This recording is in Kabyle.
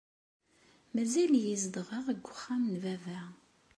Mazal-iyi zedɣeɣ deg wexxam n baba.